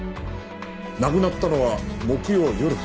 亡くなったのは木曜夜８時？